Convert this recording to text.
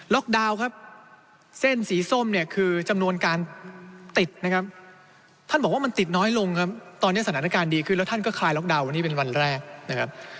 ดาวน์ครับเส้นสีส้มเนี่ยคือจำนวนการติดนะครับท่านบอกว่ามันติดน้อยลงครับตอนนี้สถานการณ์ดีขึ้นแล้วท่านก็คลายล็อกดาวน์วันนี้เป็นวันแรกนะครับ